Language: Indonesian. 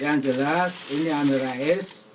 yang jelas ini amin rais